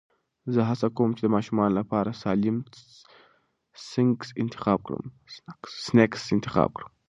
زه هڅه کوم د ماشومانو لپاره سالم سنکس انتخاب کړم.